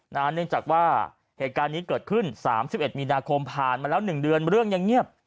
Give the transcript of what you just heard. เนื่องจากว่าเหตุการณ์นี้เกิดขึ้น๓๑มีนาคมผ่านมาแล้ว๑เดือนเรื่องยังเงียบ